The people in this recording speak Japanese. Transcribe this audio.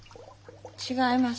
違います。